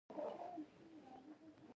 خوشي محمد په روسیې کې تبه نیولی وو.